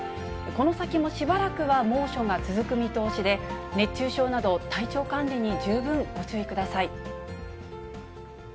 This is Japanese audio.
この先もしばらくは猛暑が続く見通しで、熱中症など体調管理に十分ご注意ください。